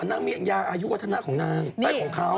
อ๋อเหรอน้ำเมีย์งยาอายุวาถนาของเค้า